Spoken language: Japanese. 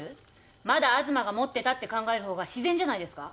まだ東が持ってたって考えるほうが自然じゃないですか？